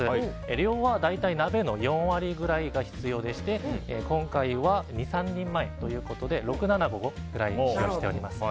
量は大体鍋の４割くらいが必要でして今回は２３人前ということで６７個ぐらいを使用しています。